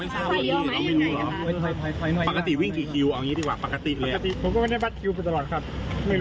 คือพอทั่งแล้วเขาบอกว่าผ่านก็คือไปได้ออกมาได้